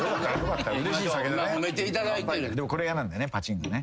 これやなんだよねパチンがね。